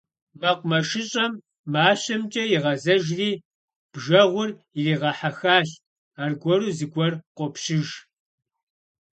МэкъумэшыщӀэм мащэмкӀэ игъэзэжри, бжэгъур иригъэхьэхащ - аргуэру зыгуэр къопщыж.